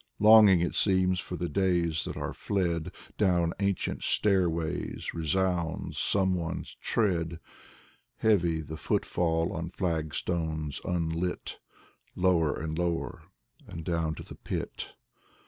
Longing* it seems, for the days that are fled, Down ancient stairways resounds someone's tread. Heavy the footfall on flagstones unlit, — Lo^Tr and lower and down to the pit.